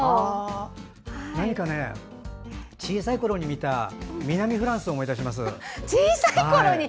何か小さいころに見た南フランスを思い出します。